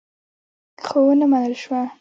خو ونه منل شوه.